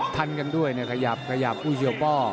ทันกันด้วยเนี่ยขยับขยับอุ้ยเสี่ยวป้อ